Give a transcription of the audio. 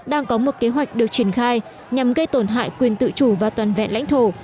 đang có một kế hoạch được triển khai nhằm gây tổn hại quyền tự chủ và toàn vẹn lãnh thổ